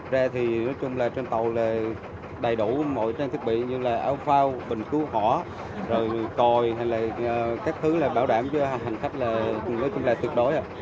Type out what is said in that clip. ra thì nói chung là trên tàu là đầy đủ mọi trang thiết bị như là áo phao bình cứu hỏa rồi còi hay là các thứ là bảo đảm cho hành khách là nói chung là tuyệt đối